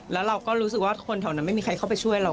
แล้วเราก็รู้สึกว่าคนแถวนั้นไม่มีใครเข้าไปช่วยเรา